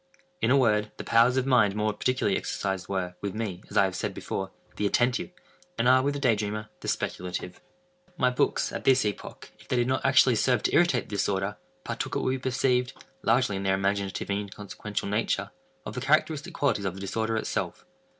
In a word, the powers of mind more particularly exercised were, with me, as I have said before, the attentive, and are, with the day dreamer, the speculative. My books, at this epoch, if they did not actually serve to irritate the disorder, partook, it will be perceived, largely, in their imaginative and inconsequential nature, of the characteristic qualities of the disorder itself.